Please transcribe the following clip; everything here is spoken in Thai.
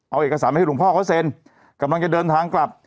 เอาเอกสารมาให้หลวงพ่อเขาเซ็นกำลังจะเดินทางกลับ